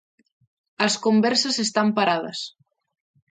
As conversas están paradas.